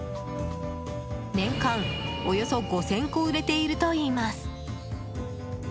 年間およそ５０００個売れているといいます。